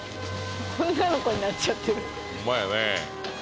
女の子になっちゃってるホンマやね